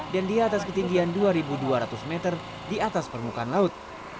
dan di atas ketinggian dua ribu dua ratus meter di atas permukaan laut